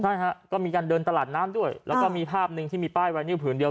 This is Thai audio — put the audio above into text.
ใช่ฮะก็มีการเดินตลาดน้ำด้วยแล้วก็มีภาพหนึ่งที่มีป้ายไวนิวผืนเดียว